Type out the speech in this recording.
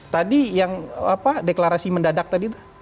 tadi yang apa deklarasi mendadak tadi